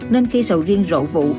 nên khi sầu riêng rộ vụ